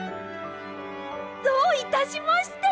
どういたしまして！